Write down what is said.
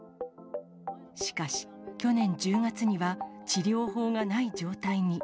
しかし、去年１０月には、治療法がない状態に。